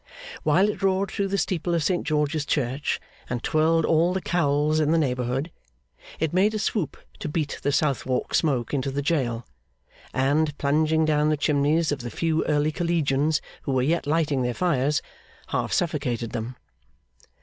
While it roared through the steeple of St George's Church, and twirled all the cowls in the neighbourhood, it made a swoop to beat the Southwark smoke into the jail; and, plunging down the chimneys of the few early collegians who were yet lighting their fires, half suffocated them.